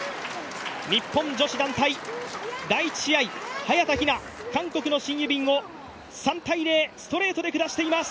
日本女子団体、第１試合、早田ひな、韓国のシン・ユビンを３−０、ストレートで下しています。